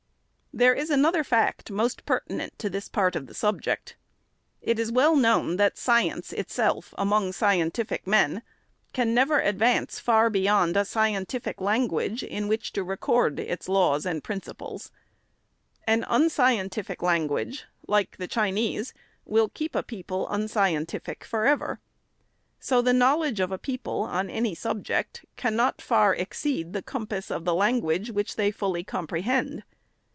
There is another fact, most pertinent to this part of the subject. It is well known that science itself, among scientific men, can never advance far beyond a scientific .language in which to record its laws and principles. An unscientific language, like the Chinese, will keep a peo SECOND ANNUAL REPORT. 515 pie unscientific forever. So the knowledge of a people on any subject cannot far exceed the compass of the language which they fully comprehend.